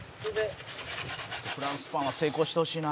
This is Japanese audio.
「フランスパンは成功してほしいな」